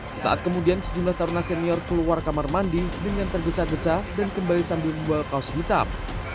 sesaat kemudian sejumlah taruna senior keluar kamar mandi dengan tergesa gesa dan kembali sambil membawa kaos hitam